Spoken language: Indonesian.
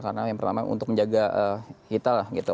karena yang pertama untuk menjaga kita lah gitu